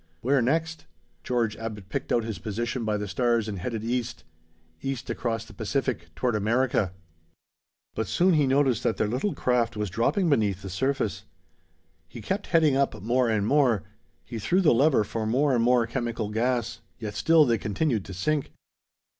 Where next? George Abbot picked out his position by the stars and headed east. East across the Pacific, toward America. But soon he noticed that their little craft was dropping beneath the surface. He kept heading up more and more; he threw the lever for more and more chemical gas; yet still they continued to sink.